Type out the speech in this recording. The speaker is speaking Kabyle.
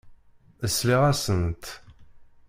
Sliɣ-asent.